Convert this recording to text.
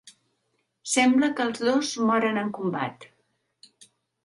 Sembla que els dos moren en combat.